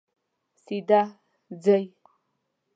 سیده ځئ